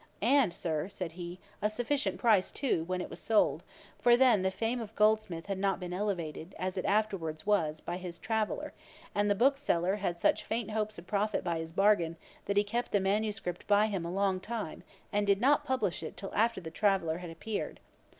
'And, Sir, (said he,) a sufficient price too, when it was sold; for then the fame of Goldsmith had not been elevated, as it afterwards was, by his Traveller; and the bookseller had such faint hopes of profit by his bargain, that he kept the manuscript by him a long time, and did not publish it till after The Traveller had appeared.